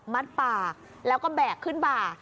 ปากแล้วก็แบกขึ้นบ่า